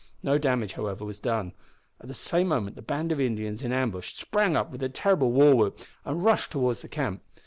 No damage, however, was done. At the same moment the band of Indians in ambush sprang up with their terrible war whoop, and rushed towards the camp.